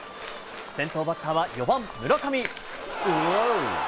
先頭バッターは４番村上。